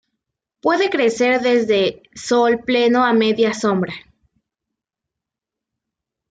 Puede crecer desde sol pleno a media sombra.